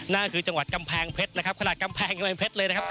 นั่นคือจังหวัดกำแพงเพชรนะครับขนาดกำแพงกำแพงเพชรเลยนะครับ